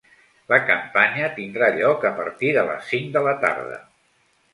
La campanya tindrà lloc a partir de les cinc de la tarda.